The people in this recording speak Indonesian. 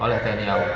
oleh tni au